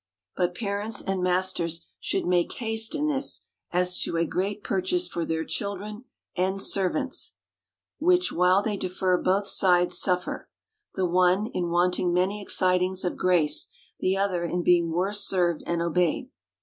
But parents and masters should make haste in this, as to a great purchase for their children and servants : which while they defer Loth sides suffer ; the one, in wanting many excitings of grace ; the other, in being worse served and obeyed.